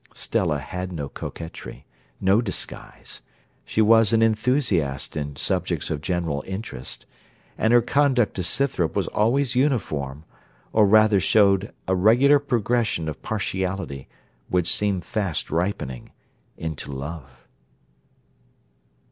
Stella had no coquetry, no disguise: she was an enthusiast in subjects of general interest; and her conduct to Scythrop was always uniform, or rather showed a regular progression of partiality which seemed fast ripening into love.